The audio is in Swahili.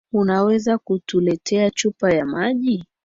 Unaweza kutuletea chupa ya maji?